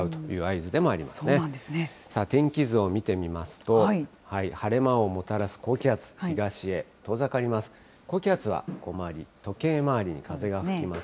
さあ、天気図を見てみますと、晴れ間をもたらす高気圧、東へ遠ざかります。